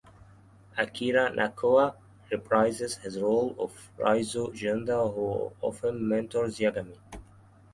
Akira Nakao reprises his role of Ryuzo Genda who often mentors Yagami.